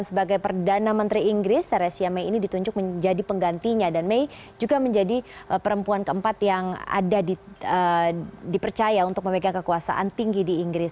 sebagai perdana menteri inggris teresia mei ini ditunjuk menjadi penggantinya dan mei juga menjadi perempuan keempat yang ada dipercaya untuk memegang kekuasaan tinggi di inggris